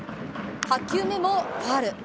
８球目もファウル。